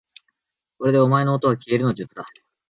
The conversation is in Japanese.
これでお前のおとはきえるの術だ